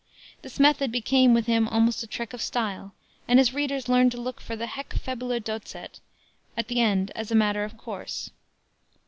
This method became with him almost a trick of style, and his readers learned to look for the haec fabula docet at the end as a matter of course.